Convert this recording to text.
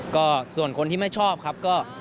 ก็ส่วนคนที่ไม่ชอบครับก็